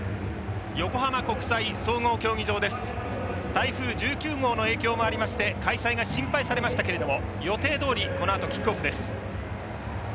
台風１９号の影響もありまして開催が心配されましたけれども予定どおりこのあとキックオフです。